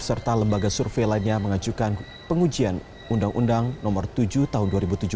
serta lembaga survei lainnya mengajukan pengujian undang undang nomor tujuh tahun dua ribu tujuh belas